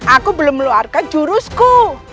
aku belum meluarkan jurusku